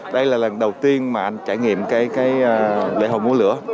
đây là lần đầu tiên mà anh trải nghiệm cái lễ hội múa lửa